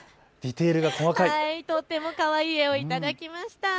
とってもかわいい絵を頂きました。